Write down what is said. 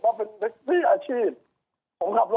คุณอะไม่มีข้อมูลในไม่มีข้อมูล